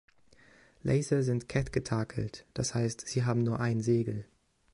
Laser sind cat-getakelt, das heißt, sie haben nur ein Segel.